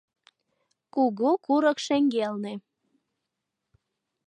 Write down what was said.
Кугу курык шеҥгелне.